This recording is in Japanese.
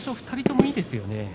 ２人ともいいですよね。